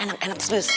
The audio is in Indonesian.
enak enak terus